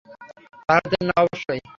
ভারতের না অবশ্যই।